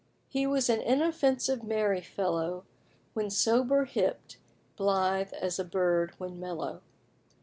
He was an inoffensive, merry fellow, When sober hipped, blithe as a bird when mellow."